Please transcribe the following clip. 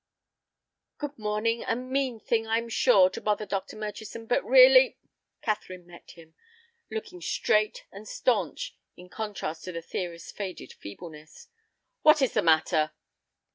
"Good morning. A mean thing, I'm sure, to bother Dr. Murchison, but really—" Catherine met him, looking straight and stanch in contrast to the theorist's faded feebleness. "What is the matter?"